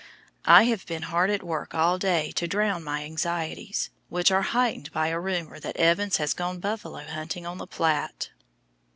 I have been hard at work all day to drown my anxieties, which are heightened by a rumor that Evans has gone buffalo hunting on the Platte!